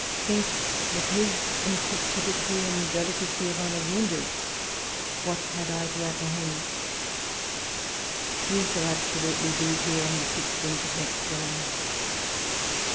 Think with his intrepidity, and delicacy of honour wounded, what I had to apprehend ; you shall absolutely be here on the sixteenth of next July.